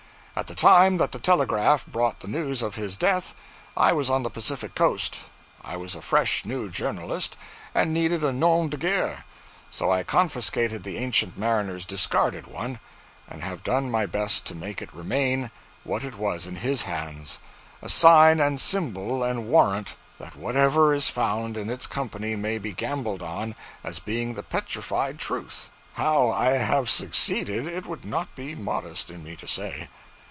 At the time that the telegraph brought the news of his death, I was on the Pacific coast. I was a fresh new journalist, and needed a nom de guerre; so I confiscated the ancient mariner's discarded one, and have done my best to make it remain what it was in his hands a sign and symbol and warrant that whatever is found in its company may be gambled on as being the petrified truth; how I have succeeded, it would not be modest in me to say.